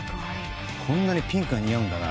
こんなにピンクが似合うんだな。